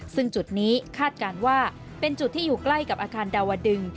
ซึ่งจุดนี้คาดการณ์ว่าเป็นจุดที่อยู่ใกล้กับอาคารดาวดึง